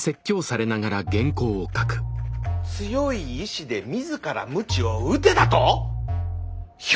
「強い意志で自らムチを打て」だと⁉よく言うよ。